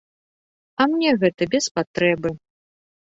А мне гэта без патрэбы.